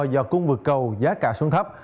do cung vực cầu giá cả xuống thấp